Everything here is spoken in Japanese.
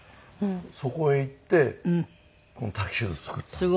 そこへ行ってこのタキシード作ったんですね。